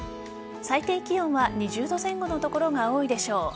最低気温は２０度前後の所が多いでしょう。